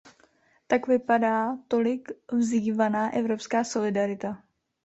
Tak vypadá tolik vzývaná evropská solidarita.